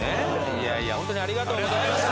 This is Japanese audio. いやいやホントにありがとうございました。